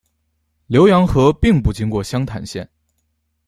浏阳河并不经过湘潭县。